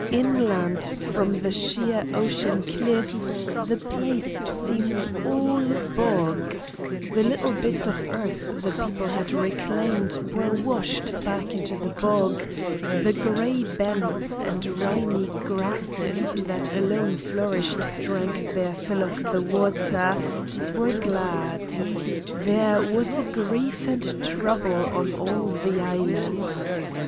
Inland from the sheer ocean cliffs the place seemed all bog; the little bits of earth the people had reclaimed were washed back into the bog, the gray bents and rimy grasses that alone flourished drank their fill of the water, and were glad. There was a grief and trouble on all the Island.